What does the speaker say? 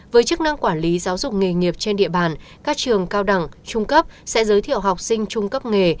với chức năng quản lý giáo dục nghề nghiệp trên địa bàn các trường cao đẳng trung cấp sẽ giới thiệu học sinh trung cấp nghề